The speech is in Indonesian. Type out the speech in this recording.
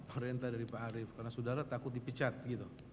perintah dari pak arief karena saudara takut dipicat gitu